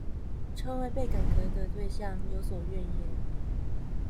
成為被改革的對象而有所怨言